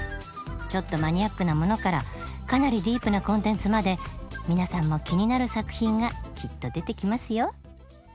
ちょっとマニアックなものからかなりディープなコンテンツまで皆さんも気になる作品がきっと出てきますよ